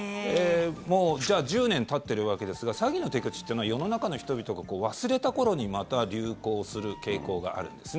１０年たっているわけですが詐欺の手口っていうのは世の中の人々が忘れた頃にまた流行する傾向があるんです。